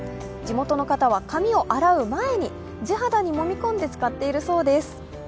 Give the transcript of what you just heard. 地元の方は、髪を洗う前に地肌にもみ込んで使っているそうです。